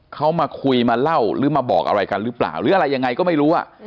เขามาคุยมาเล่าหรือมาบอกอะไรกันหรือเปล่าหรืออะไรยังไงก็ไม่รู้